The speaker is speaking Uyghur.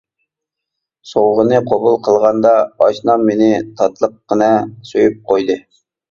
سوۋغىنى قوبۇل قىلغاندا ئاشنام مېنى تاتلىققىنە سۆيۈپ قويدى.